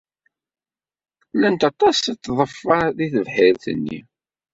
Llant aṭas n tḍeffa deg tebḥirt-nni.